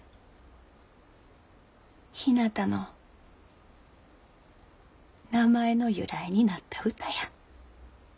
ひなたの名前の由来になった歌や。